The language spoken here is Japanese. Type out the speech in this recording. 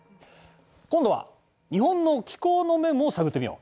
今度は日本の気候の面も探ってみよう。